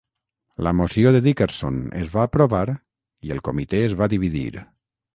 La moció de Dickerson es va aprovar i el comitè es va dividir.